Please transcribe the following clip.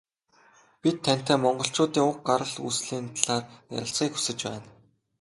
Бид тантай Монголчуудын уг гарал үүслийн талаар ярилцахыг хүсэж байна.